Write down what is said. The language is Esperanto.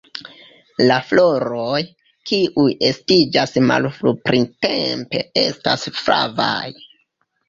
La floroj, kiuj estiĝas malfru-printempe, estas flavaj.